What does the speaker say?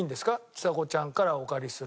ちさ子ちゃんからお借りする。